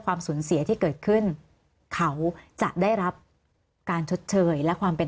ความสูญเสียที่เกิดขึ้นเขาจะได้รับการชดเชยและความเป็น